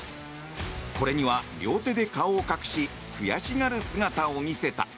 これには両手で顔を隠し悔しがる姿を見せた。